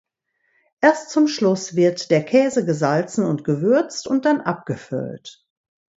Erst zum Schluss wird der Käse gesalzen und gewürzt und dann abgefüllt.